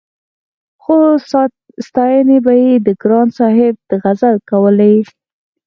خو ستاينې به يې د ګران صاحب د غزل کولې-